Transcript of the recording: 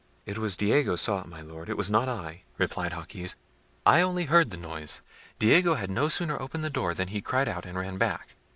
"It was Diego saw it, my Lord, it was not I," replied Jaquez; "I only heard the noise. Diego had no sooner opened the door, than he cried out, and ran back.